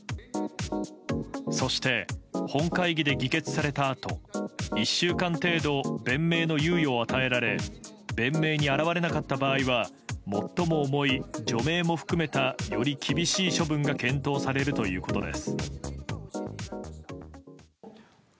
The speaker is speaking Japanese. そして、本会議で議決されたあと１週間程度弁明の猶予を与えられ弁明に現れなかった場合は最も重い除名も含めたより厳しい処分が検討されるということです。